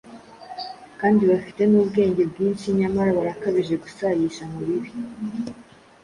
kandi bafite n’ubwenge bwinshi nyamara barakabije gusayisha mu bibi.